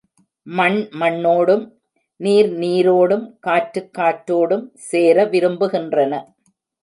மண் மண்ணோடும், நீர் நீரோடும், காற்று காற்றோடும் சேர விரும்புகின்றன.